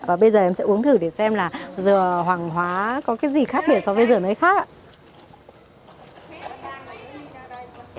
và bây giờ em sẽ uống thử để xem là giờ hoàng hóa có cái gì khác biệt so với giờ nơi khác ạ